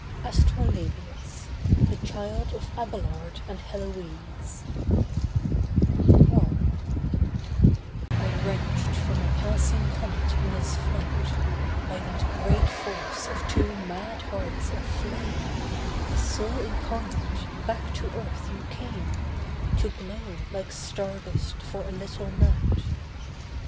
ASTROLABIUS (THE CHILD OF ABELARD AND HELOISE) I I wrenched from a passing comet in its flight, By that great force of two mad hearts aflame, A soul incarnate, back to earth you came, To glow like star dust for a little night.